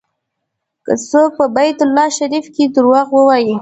که څوک په بیت الله شریف کې دروغ ووایي.